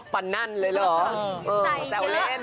ปันนั่นเลยหรอ